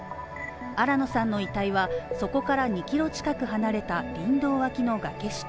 新野さんの遺体はそこから２キロ近く離れた林道脇の崖下